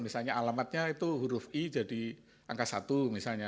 misalnya alamatnya itu huruf i jadi angka satu misalnya